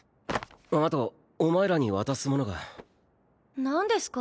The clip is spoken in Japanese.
あとお前らに渡すものが何ですか？